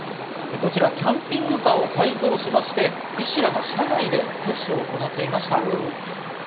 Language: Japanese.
キャンピングカーを改造しまして、医師らが車内で接種を行っていました。